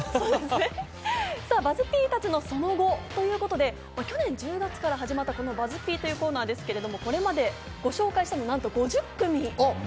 ＢＵＺＺ−Ｐたちのその後ということで、去年１０月から始まった、このＢＵＺＺ−Ｐというコーナーですが、これまでご紹介したのはなんと５０組。